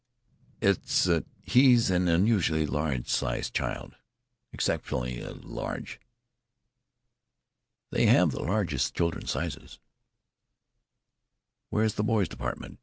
It's he's an unusually large size child. Exceptionally ah large." "They have the largest child's sizes." "Where is the boys' department?"